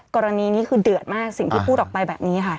กรณีนี้คือเดือดมากสิ่งที่พูดออกไปแบบนี้ค่ะ